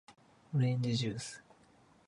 おれんじじゅーす